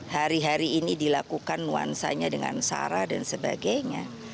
hari hari ini dilakukan nuansanya dengan sarah dan sebagainya